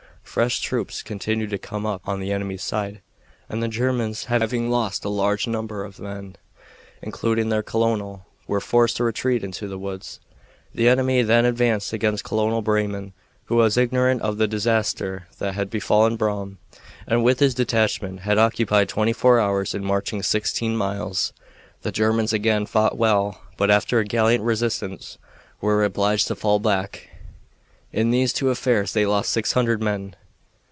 Fresh troops continued to come up on the enemy's side, and the Germans, having lost a large number of men, including their colonel, were forced to retreat into the woods. The enemy then advanced against Colonel Breyman, who was ignorant of the disaster that had befallen Baum, and with his detachment had occupied twenty four hours in marching sixteen miles. The Germans again fought well, but after a gallant resistance were obliged to fall back. In these two affairs they lost six hundred men.